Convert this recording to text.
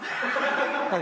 はい。